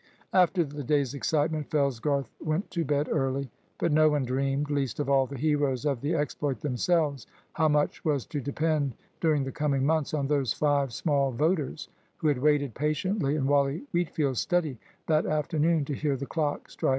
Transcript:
After the day's excitement Fellsgarth went to bed early. But no one dreamed, least of all the heroes of the exploit themselves, how much was to depend during the coming months on those five small voters who had waited patiently in Wally Wheatfield's study that afternoon to hear the clock strike 5:30.